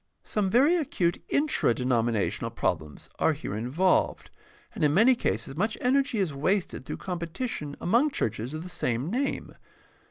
Some very acute intradenominational problems are here involved, and in many cases much energy is wasted through competition among churches of the same name.